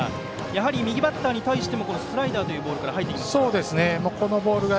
やはり右バッターに対してもスライダーというボールから入ってきましたが。